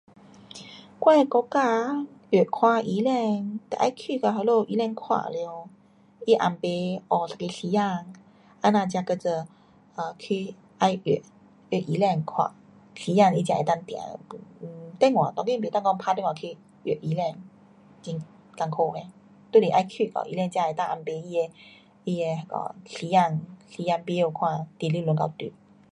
我的国家约看医生得要去到那里医生看了，他安排下一个时间，这样才叫做啊去再约，约医生看。时间他才能够定。电话，当今不能讲打电话约医生。很困苦嘞。就是要去到，医生才能够安排他的，他的那个时间表看几时能够轮到你。